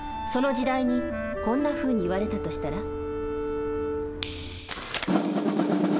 その時代にこんなふうに言われたとしたら。